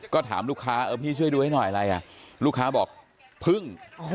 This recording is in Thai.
ก็ถามลูกค้าเออพี่ช่วยดูให้หน่อยอะไรอ่ะลูกค้าบอกพึ่ง